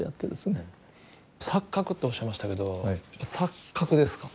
錯覚っておっしゃいましたけど錯覚ですか。